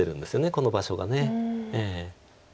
この場所が。